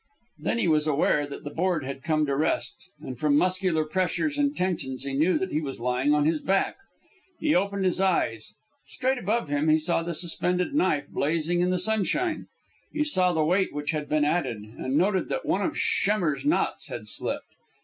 Then he was aware that the board had come to rest, and from muscular pressures and tensions he knew that he was lying on his back. He opened his eyes. Straight above him he saw the suspended knife blazing in the sunshine. He saw the weight which had been added, and noted that one of Schemmer's knots had slipped.